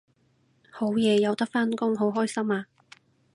好嘢有得返工好開心啊！